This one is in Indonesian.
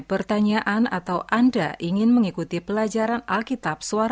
kiranya tuhan memberkati kita semua